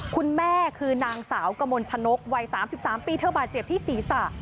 คุณแม่คือนางสาวกมลชนกวัย๓๓ปีเธอบาดเจ็บที่ศีรษะ